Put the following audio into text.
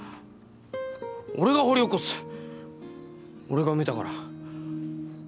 俺が掘り起こす俺が埋めたから。